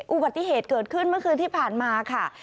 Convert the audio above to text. อุบัติเหตุเกิดขึ้นเมื่อคืนที่ผ่านมาค่ะ